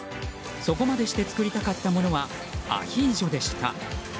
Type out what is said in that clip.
そこまでして作りたかったものはアヒージョでした。